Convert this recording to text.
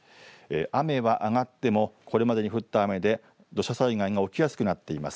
雨は上がってもこれまでに降った雨で土砂災害が起きやすくなっています。